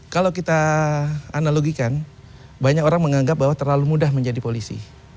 kalau kita analogikan banyak orang menganggap bahwa terlalu mudah menjadi polisi